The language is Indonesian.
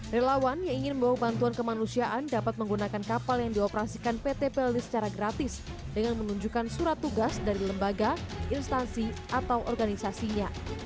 relawan yang ingin membawa bantuan kemanusiaan dapat menggunakan kapal yang dioperasikan pt pelni secara gratis dengan menunjukkan surat tugas dari lembaga instansi atau organisasinya